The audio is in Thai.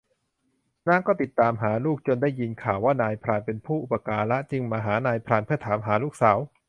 นางก็ติดตามหาลูก จนได้ยินข่าวว่านายพรานเป็นผู้อุปการะจึงมาหานายพรานเพื่อถามหาลูกสาว